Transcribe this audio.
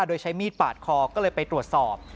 โดยใช้มีดปาดคอก็เลยไปตรวจสอบ